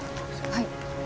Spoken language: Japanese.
はい。